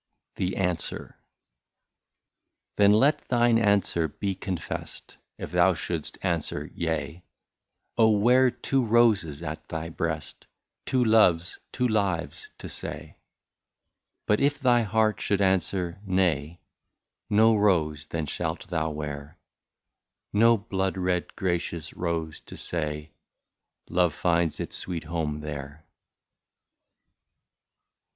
176 THE ANSWER. Then let thine answer be confest, — And shouldst thou answer ^*Yea/' Oh ! wear two roses at thy breast, Two loves, two lives, to say. But if thy heart should answer ^' Nay," No rose then shalt thou wear, — No blood red gracious rose to say. Love finds its sweet home there.